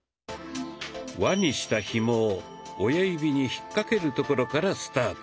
輪にしたひもを親指に引っ掛けるところからスタート。